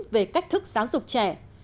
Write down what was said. về cách thức giáo dục trẻ